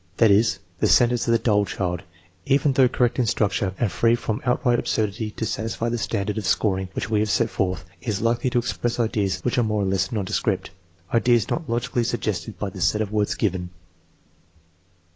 That is, the sentence of the dull child, even though correct in structure and free enough from outright absurdity to satisfy the standard of scoring which we have set forth, is likely to express ideas which are more or less nondescript, ideas not logically suggested by the set of words given.